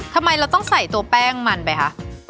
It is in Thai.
ทำไมเราต้องใส่ตัวแป้งมันไปคะ